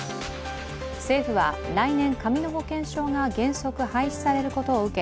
政府は来年紙の保険証が原則廃止されることを受け